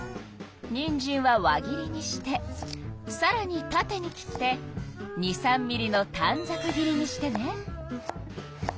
にんじんは輪切りにしてさらにたてに切って２３ミリのたんざく切りにしてね。